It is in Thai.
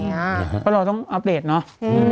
เพราะเราต้องอัปเดตเนอะ